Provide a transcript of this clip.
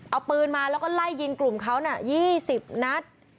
เอาปืนมาแล้วก็ไล่ยิงกลุ่มเขา๒๐นัด